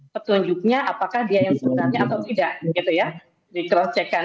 petunjuknya apakah dia yang sebenarnya atau tidak gitu ya di croscehkan